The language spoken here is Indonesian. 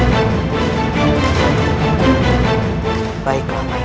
jika dia melepaskan ikatanku